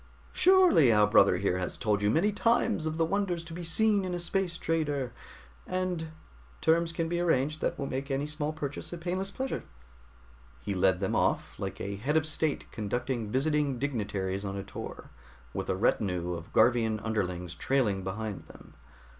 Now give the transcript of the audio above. "Surely our brother here has told you many times of the wonders to be seen in a space trader, and terms can be arranged that will make any small purchase a painless pleasure." He led them off, like a head of state conducting visiting dignitaries on a tour, with a retinue of Garvian underlings trailing behind them.